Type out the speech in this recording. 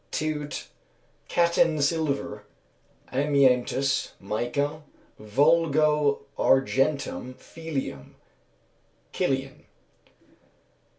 Teut., katten silver, amiantus, mica, vulgo argentum felium; Kilian.